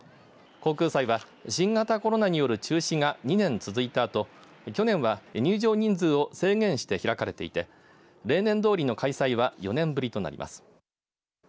航空祭は新型コロナによる中止が２年続いたあと去年は入場人数を制限して開かれていて例年どおりの開催は４年ぶりとなります。